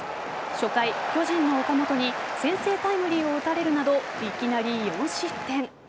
初回、巨人の岡本に先制タイムリーを打たれるなどいきなり４失点。